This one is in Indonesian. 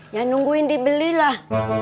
ya nungguin dibelilah